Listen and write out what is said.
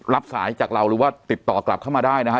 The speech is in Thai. รับสายจากเราหรือว่าติดต่อกลับเข้ามาได้นะฮะ